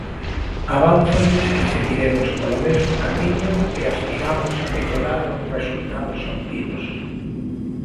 Avánzolles que seguiremos polo mesmo camiño e aspiramos a mellorar os resultados obtidos.